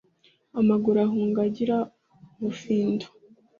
Amaguru ahunga agira ubufindo.